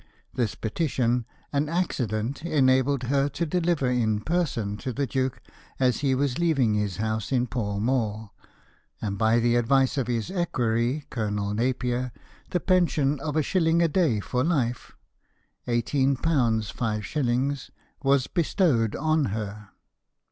This petition an accident enabled her to deliver in person to the Duke as he was leaving his house in Pall Mall, and by the advice of his equerry, Colonel Napier, the pension of a shilling a day for life £18 5_s._ was bestowed on her.